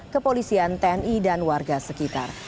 kepolisian tni dan warga sekitar